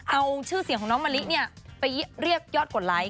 เอาชื่อเสียงของน้องมะลิไปเรียกยอดกดไลค์